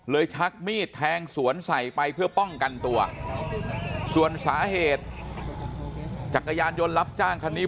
ชักมีดแทงสวนใส่ไปเพื่อป้องกันตัวส่วนสาเหตุจักรยานยนต์รับจ้างคันนี้